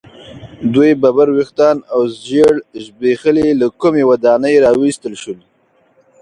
دوی ببر ویښتان او ژیړ زبیښلي له کومې ودانۍ را ویستل شول.